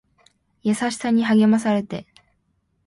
優しさに励まされて